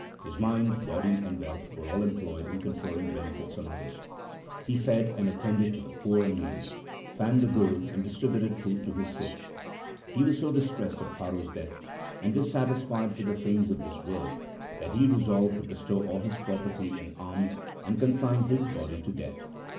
His mind, body, and wealth were all employed in conferring benefits on others. He fed and attended to the poor and needy, fanned the Guru, and distributed food to his Sikhs. He was so distressed at Paro's death, and dissatisfied with the things of this world that he resolved to bestow all his property in alms, and consign his body to Death.